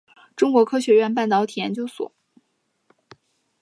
中国科学院半导体研究所。